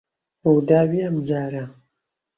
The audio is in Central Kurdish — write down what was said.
ڕووداوی ئەم جارە